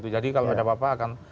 kalau ada apa apa akan